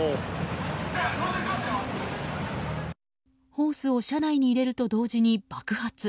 ホースを車内に入れると同時に爆発。